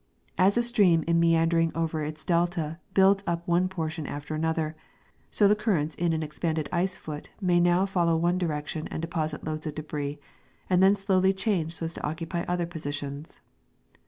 As a stream in meandering over its delta builds up one portion after another, so the currents in an expanded ice foot may now follow one direction and deposit loads of debris, and then slowly change so as to occupy other positions.